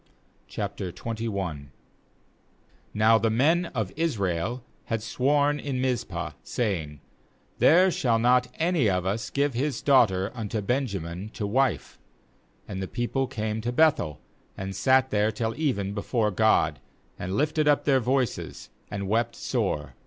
322 JUDGES 21.22 0 1 Now the men of Israel had sworn ^^ in Mizpah, saying: 'There shall not any of us give his daughter unto Benjamin to wife/ 2And the people came to Beth el, and sat there till ^ even before God, and lifted up taeir voices, and wept sore.